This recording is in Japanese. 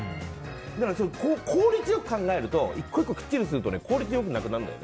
だから効率よく考えると１個１個きっちりすると効率よくなくなるの。